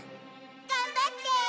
頑張って！